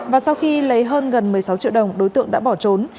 và sau khi lấy hơn gần một mươi sáu triệu đồng đối tượng đã bỏ trốn